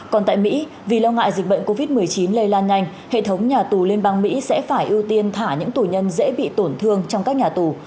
còn tại mỹ vì lo ngại dịch bệnh covid một mươi chín lây lan nhanh hệ thống nhà tù liên bang mỹ sẽ phải ưu tiên thả những tù nhân dễ bị tổn thương trong các nhà tù